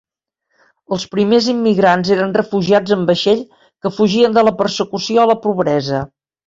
Els primers immigrants eren refugiats amb vaixell, que fugien de la persecució o la pobresa.